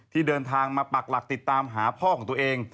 เดินทางมาปักหลักติดตามหาพ่อของตัวเอง